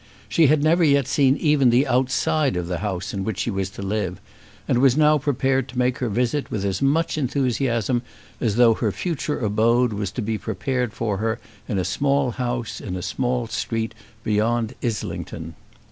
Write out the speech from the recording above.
She had never yet seen even the outside of the house in which she was to live, and was now prepared to make her visit with as much enthusiasm as though her future abode was to be prepared for her in a small house in a small street beyond Islington.